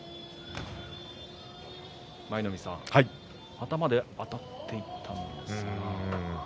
舞の海さん頭であたっていったんですが。